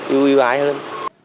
yêu yêu ái hơn